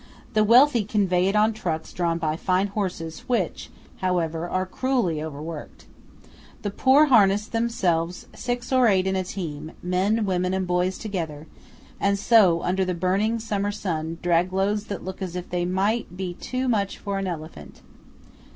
The wealthy convey it on trucks drawn by fine horses which, however, are cruelly overworked. The poor harness themselves six or eight in a team, men, women, and boys together, and so, under the burning summer sun, drag loads that look as if they might be too much for an elephant.